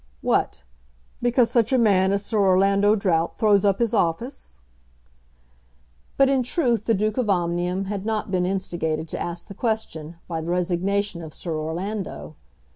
"What; because such a man as Sir Orlando Drought throws up his office?" But in truth the Duke of Omnium had not been instigated to ask the question by the resignation of Sir Orlando.